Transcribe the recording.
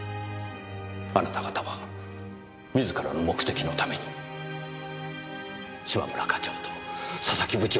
あなた方は自らの目的のために嶋村課長と佐々木部長を殺しているんです。